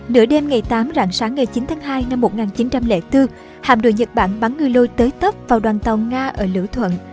nửa đêm ngày tám rạng sáng ngày chín tháng hai năm một nghìn chín trăm linh bốn hạm đội nhật bản bắn người lôi tới tấp vào đoàn tàu nga ở lữ thuận